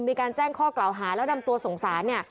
มีการแจ้งข้อกล่าวหาแล้วดำตัวสงสาร